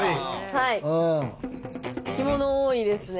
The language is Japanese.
着物多いですね。